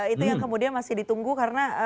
itu yang kemudian masih ditunggu karena